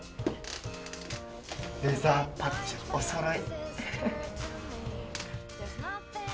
レザーパッチ、おそろい。